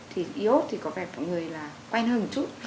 thứ năm thì có vẻ mọi người là quen hơn một chút